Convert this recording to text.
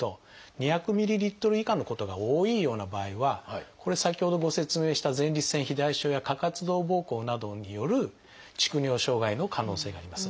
２００ｍＬ以下のことが多いような場合はこれ先ほどご説明した前立腺肥大症や過活動ぼうこうなどによる蓄尿障害の可能性があります。